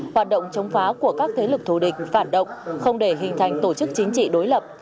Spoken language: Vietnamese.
hoạt động chống phá của các thế lực thù địch phản động không để hình thành tổ chức chính trị đối lập